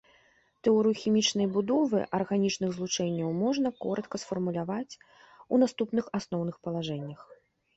Тэорыю хімічнай будовы арганічных злучэнняў можна коратка сфармуляваць у наступных асноўных палажэннях.